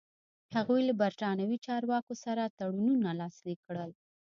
هغوی له برېټانوي چارواکو سره تړونونه لاسلیک کړل.